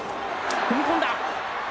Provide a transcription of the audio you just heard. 踏み込んだ。